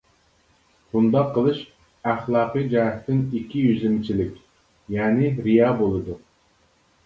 بۇنداق قىلىش ئەخلاقىي جەھەتتىن ئىككى يۈزلىمىچىلىك، يەنى رىيا بولىدۇ.